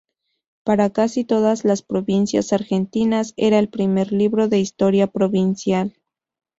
Para casi todas las provincias argentinas, era el primer libro de historia provincial.